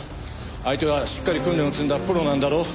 相手はしっかり訓練を積んだプロなんだろ？